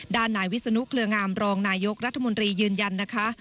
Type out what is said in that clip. ด้านนายวิศนุเครืองามรองนายกรัฐมนตรียืนยันนะคะ